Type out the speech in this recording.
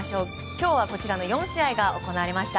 今日はこちらの４試合が行われました。